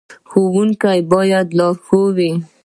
ښوونکی باید لارښود وي